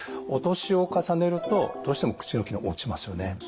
お年を重ねるとどうしても口の機能が落ちますよね。